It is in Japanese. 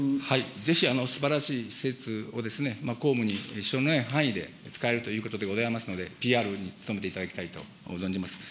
ぜひすばらしい施設を公務に支障のない範囲で使えるということでございますので、ＰＲに努めていただきたいと存じます。